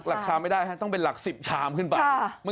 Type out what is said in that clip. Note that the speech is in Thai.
ชามไม่ได้ต้องเป็นหลัก๑๐ชามขึ้นไป